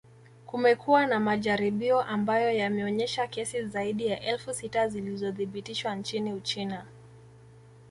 Kumekuwa na majaribio ambayo yameonyesha kesi zaidi ya elfu sita zilizothibitishwa nchini Uchina